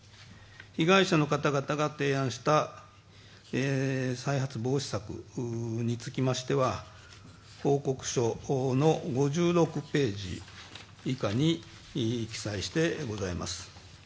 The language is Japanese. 被害者の方々が提案した再発防止策につきましては、報告書の５６ページ以下に記載しております。